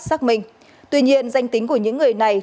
xác minh tuy nhiên danh tính của những người này